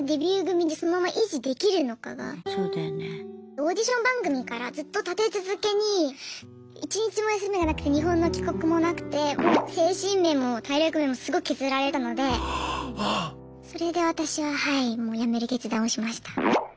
オーディション番組からずっと立て続けに一日も休みがなくて日本の帰国もなくてもう精神面も体力面もすごく削られたのでそれで私ははいもうやめる決断をしました。